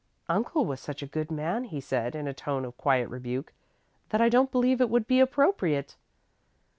"Uncle was such a good man," he said, in a tone of quiet rebuke, "that I don't believe it would be appropriate."